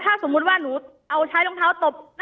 แต่คุณยายจะขอย้ายโรงเรียน